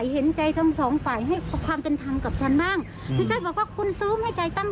ให้ความเป็นธรรมกับฉันบ้างไม่ใช่บอกว่าคุณซื้อไม่ใช้ตั้ง